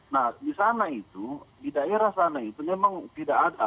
nah di sana itu di daerah sana itu memang tidak ada